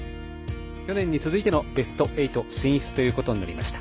去年に続いてのベスト８進出となりました。